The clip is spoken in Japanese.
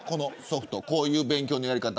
ソフト、こういう勉強のやり方。